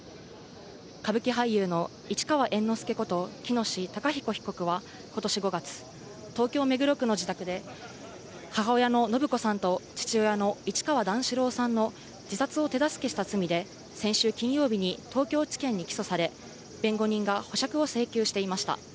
歌舞伎俳優の市川猿之助こと喜熨斗孝彦被告は、ことし５月、東京・目黒区の自宅で、母親の延子さんと父親の市川段四郎さんの自殺を手助けした罪で、先週金曜日に東京地検に起訴され、弁護人が保釈を請求していました。